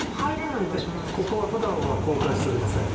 ここはふだんは公開しておりません。